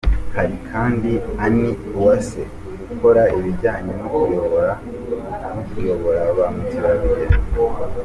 Hari kandi Annie Uwase, ukora ibijyanye no kuyobora ba mukerarugendo.